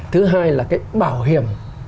thứ hai là cái bảo hiểm